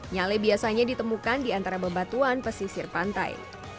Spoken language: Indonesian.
nyale biasanya ditemukan di antara bebatuan pesisir pantai